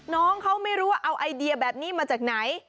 น้องเขาไม่รู้ว่าเอาไอเดียแบบนี้มาจากไหน